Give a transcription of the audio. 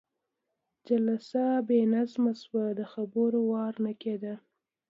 جلسه بې نظمه شوه، د خبرو وار نه کېده.